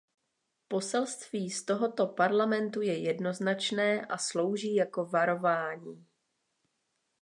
Poselství z tohoto Parlamentu je jednoznačné a slouží jako varování.